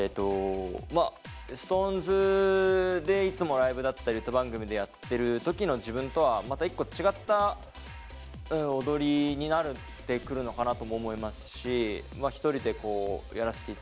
ＳｉｘＴＯＮＥＳでいつもライブだったり歌番組でやってる時の自分とはまた一個違った踊りになってくるのかなとも思いますしそれではお聴き下さい。